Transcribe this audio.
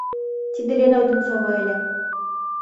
Тиде Лена Одинцова ыле.